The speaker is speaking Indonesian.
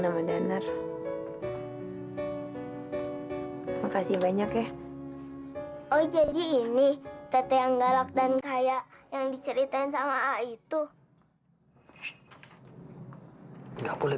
sama dhanar makasih banyak ya oh jadi ini tetang galak dan kaya yang diceritain sama itu nggak boleh